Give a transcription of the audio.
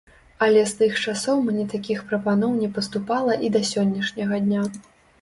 Але з тых часоў мне такіх прапаноў не паступала і да сённяшняга дня.